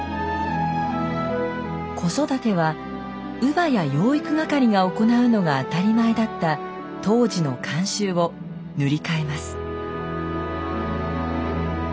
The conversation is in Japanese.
子育ては乳母や養育係が行うのが当たり前だった当時の慣習を塗り替えます。